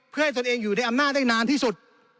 เพื่อให้ตนเองอยู่ในอำนาจได้นานที่สุด